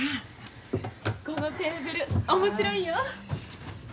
このテーブル面白いんよ。